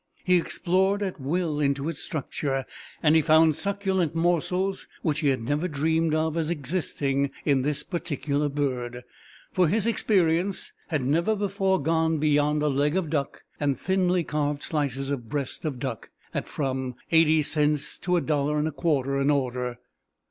He explored at will into its structure, and he found succulent morsels which he had never dreamed of as existing in this particular bird, for his experience had never before gone beyond a leg of duck and thinly carved slices of breast of duck, at from eighty cents to a dollar and a quarter an order.